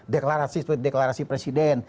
deklarasi seperti deklarasi presiden